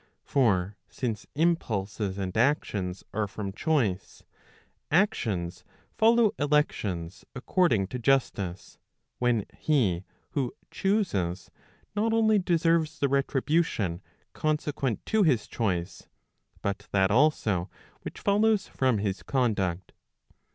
For since impulses and actions are from choice, actions follow elections according to justice, when he who chuses not only deserves the retribution consequent to his choice, but that also which follows from his conduct.